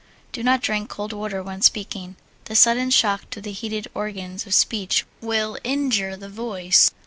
Do not drink cold water when speaking. The sudden shock to the heated organs of speech will injure the voice.